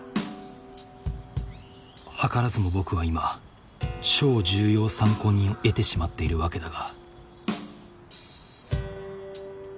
図らずも僕は今超重要参考人を得てしまっているわけだが。